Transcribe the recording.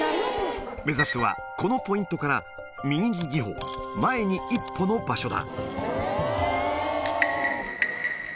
目指すはこのポイントから右に２歩、前に１歩の場所だ。